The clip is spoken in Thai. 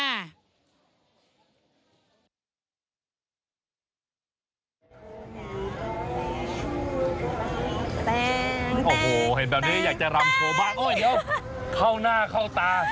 โอ้โหเห็นแบบนี้อยากจะรำโชว์บ้างโอ๊ยเดี๋ยวเข้าหน้าเข้าตา